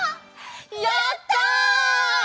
やった！